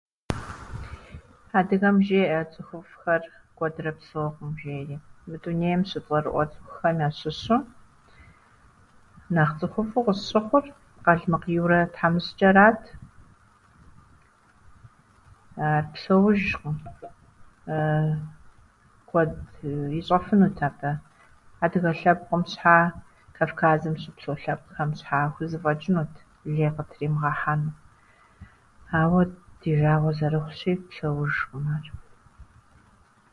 Адыгэм жеӏэ, цӏыхуфӏхэр куэдрэ псэуӏым жери. Мы дунейм щыцӏэрыӏуэ цӏыхухэм ящыщу нэхъ цӏыхуфӏу къысщыхъур Къалмыкъ Юрэ тхьэмыщчӏэрат. Псэужкъым, куэд ищӏэфынут абы адыгэ лъэпкъым щхьа, Кавказым щыпсэу лъэпкъхьэм щхьа, хузэфӏэчӏынут лей къытримыгъэхьэну. Ауэ ди жагъуэ зэрыхъущи, псэужкъым ар.